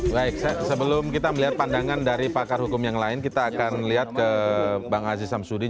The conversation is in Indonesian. baik sebelum kita melihat pandangan dari pakar hukum yang lain kita akan lihat ke bang aziz samsudin